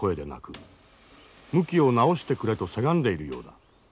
向きを直してくれとせがんでいるようだ。